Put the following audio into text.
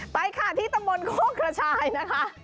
ไปค่ะที่ตะมนต์โคกระชายนะคะ